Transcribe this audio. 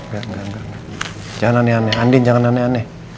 jangan aneh aneh andin jangan aneh aneh